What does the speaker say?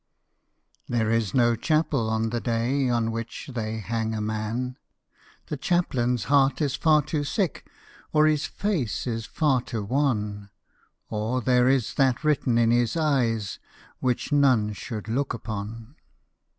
IV THERE is no chapel on the day On which they hang a man: The Chaplainâs heart is far too sick, Or his face is far too wan, Or there is that written in his eyes Which none should look upon.